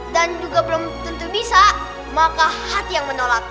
dan juga belum tentu bisa maka hati yang menolak